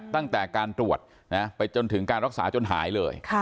ตั้งแต่การตรวจไปจนถึงการรักษาจนหายเลย